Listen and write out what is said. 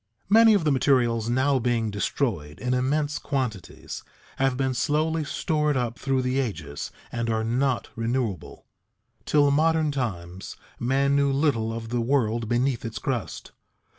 _ Many of the materials now being destroyed in immense quantities have been slowly stored up through the ages and are not renewable. Till modern times man knew little of the world beneath its crust.